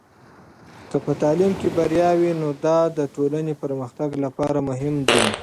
که په تعلیم کې بریا وي، نو دا د ټولنې پرمختګ لپاره مهم دی.